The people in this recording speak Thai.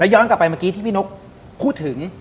ย้อนกลับไปเมื่อกี้ที่พี่นกพูดถึง